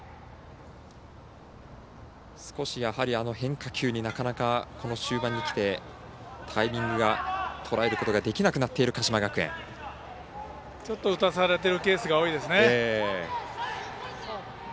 少し変化球になかなかこの終盤にきてタイミングがとらえることができなくなっているちょっと打たされているケースが多いですね。